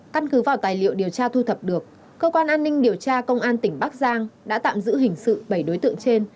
căn cứ vào tài liệu điều tra thu thập được cơ quan an ninh điều tra công an tỉnh bắc giang đã tạm giữ hình sự bảy đối tượng trên